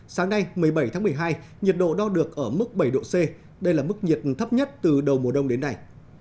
sáng nay một mươi bảy tháng một mươi hai nhiệt độ đo được ở mức bảy độ c đây là mức nhiệt thấp nhất từ đầu mùa đông đến nay